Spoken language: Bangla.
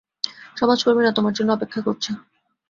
সমাজকর্মীরা তোমার জন্যে অপেক্ষা করছে।